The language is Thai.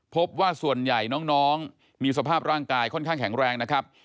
พบว่าส่วนใหญ่น้องมีสภาพร่างกายค่อนข้างแข็งแรงนะครับ